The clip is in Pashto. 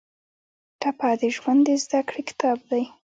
ټپه د ژوند د زده کړې کتاب دی.